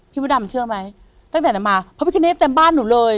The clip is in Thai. พี่พุดำเชื่อไหมตั้งแต่นั้นมา